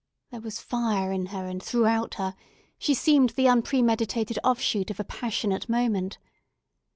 There was fire in her and throughout her: she seemed the unpremeditated offshoot of a passionate moment.